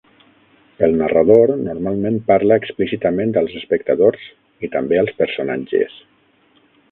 El narrador normalment parla explícitament als espectadors i també als personatges.